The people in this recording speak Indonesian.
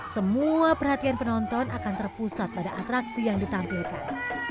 semua perhatian penonton akan terpusat pada atraksi yang ditampilkan